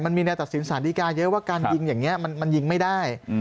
มันมีแนวตัดสินสารดีกาเยอะว่าการยิงอย่างนี้มันยิงไม่ได้